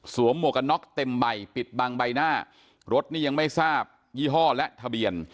หมวกกันน็อกเต็มใบปิดบังใบหน้ารถนี่ยังไม่ทราบยี่ห้อและทะเบียน